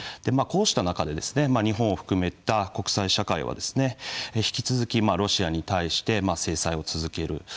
こうした中で日本を含めた国際社会は引き続きロシアに対して制裁を続ける。